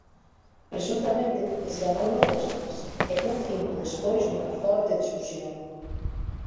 Presuntamente esganouno coas mans e cun cinto despois dunha forte discusión.